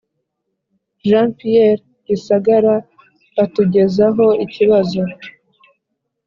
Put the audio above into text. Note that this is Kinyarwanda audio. Jean Pierre Gisagara atugezaho ikibazo